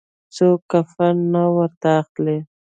څوک کفن نه ورته اخلي.